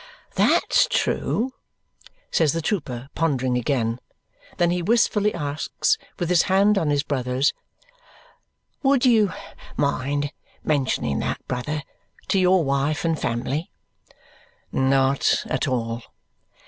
"That's true!" says the trooper, pondering again. Then he wistfully asks, with his hand on his brother's, "Would you mind mentioning that, brother, to your wife and family?" "Not at all."